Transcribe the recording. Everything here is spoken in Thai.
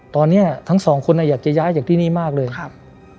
ตอนนี้ทั้งสองคนอยากจะย้ายจากที่นี่มากเลยครับ